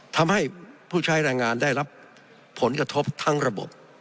ทำให้ผู้ใช้แรงงานได้รับผลกระทบทั้งระบบ